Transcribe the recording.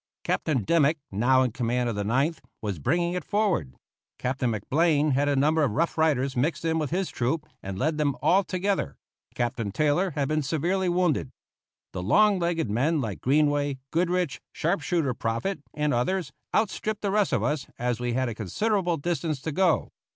Captain Dimmick, now in command of the Ninth, was bringing it forward; Captain McBlain had a number of Rough Riders mixed in with his troop, and led them all together; Captain Taylor had been severely wounded. The long legged men like Greenway, Goodrich, sharp shooter Proffit, and others, outstripped the rest of us, as we had a considerable distance to go.